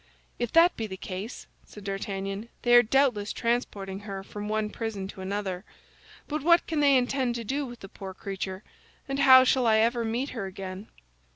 "If that be the case," said D'Artagnan, "they are doubtless transporting her from one prison to another. But what can they intend to do with the poor creature, and how shall I ever meet her again?"